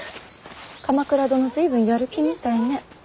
鎌倉殿随分やる気みたいね。